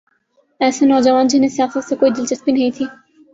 ایسے نوجوان جنہیں سیاست سے کوئی دلچسپی نہیں تھی۔